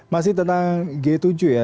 masih tentang g tujuh ya